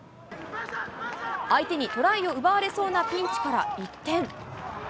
相手にトライを奪われそうなピンチから一転。